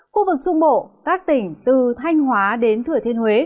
khu vực trung bộ các tỉnh từ thanh hóa đến thừa thiên huế